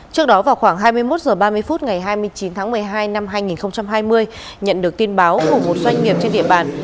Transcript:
trước đó vào khoảng hai mươi một h ba mươi phút ngày hai mươi chín tháng một mươi hai năm hai nghìn hai mươi nhận được tin báo của một doanh nghiệp trên địa bàn